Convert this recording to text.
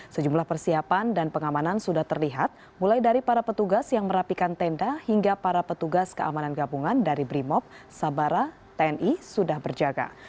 sejumlah persiapan dan pengamanan sudah terlihat mulai dari para petugas yang merapikan tenda hingga para petugas keamanan gabungan dari brimob sabara tni sudah berjaga